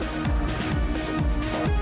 gak mau ngantuk